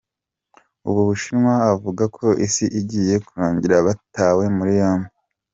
U Bushinwa Abavuga ko isi igiye kurangira batawe muri yombi